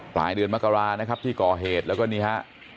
ปลายเดือนมกรานะครับที่ก่อเหตุแล้วก็นี่ฮะ